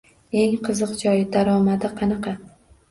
Eng qiziq joyi — daromadi qanaqa?